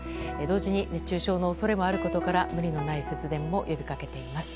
同時に熱中症の恐れもあることから無理のない節電も呼びかけています。